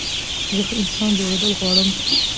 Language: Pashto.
زه ښه انسان جوړېدل غواړم.